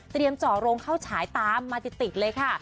เจาะโรงเข้าฉายตามมาติดเลยค่ะ